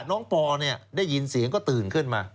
น้องปอเนี่ยได้ยินเสียงก็ตื่นขึ้นมา